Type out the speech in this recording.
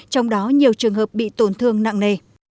trong đó nhiều trường hợp bị tổn thương nặng nề